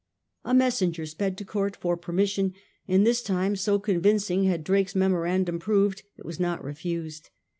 A messenger sped to Court for permission, and this time, so convincing had Drake's memorandum proved, it was not refused.